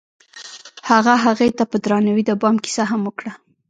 هغه هغې ته په درناوي د بام کیسه هم وکړه.